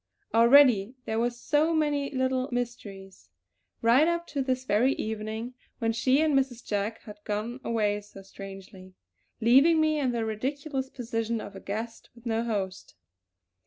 Already there were so many little mysteries; right up to this very evening when she and Mrs. Jack had gone away so strangely, leaving me in the ridiculous position of a guest with no host.